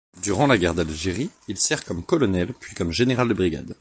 Durant la guerre d'Algérie, il sert comme colonel puis comme général de brigade.